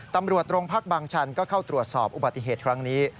ตำรวจโรงพักบางชันก็เข้าตรวจสอบอุบัติเหตุครั้งนี้